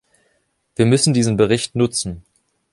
Wir müssen diesen Bericht nutzen.